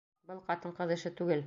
Был ҡатын-ҡыҙ эше түгел!